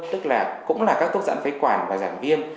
tức là cũng là các thuốc giãn phế quản và giảm viêm